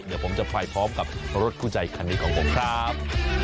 เดี๋ยวผมจะไปพร้อมกับรถคู่ใจคันนี้ของผมครับ